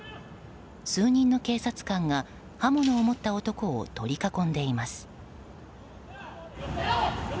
数人の警察官が刃物を持った男を取り囲んでいます。